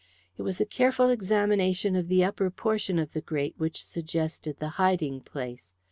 It was a careful examination of the upper portion of the grate which suggested the hiding place.